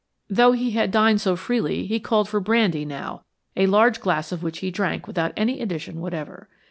Though he had dined so freely he called for brandy now, a large glass of which he drank without any addition whatever.